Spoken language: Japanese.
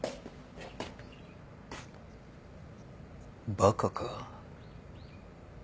バカか。